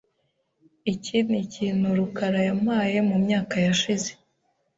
Iki nikintu rukara yampaye mumyaka yashize .